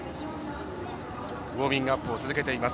ウォーミングアップを続けています。